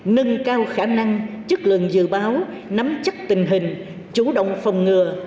nâng cao khả năng chất lượng dự báo nắm chắc tình hình chủ động phòng ngừa